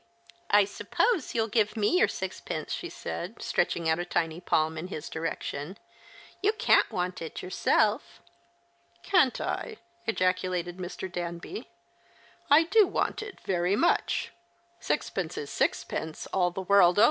"I suppose you'll give me your sixpence," she said, stretching out a tiny palm in his direction ;" you can't want it yourself." The Christmas Hirelings. 139 " Can't I ?" ejaculated Mr. Danby. " I do want it very niueli. Sixpence is sixpence all the world over."